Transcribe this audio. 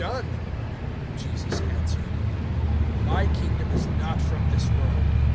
(36)Jesus answered: My kingdom is not of this world.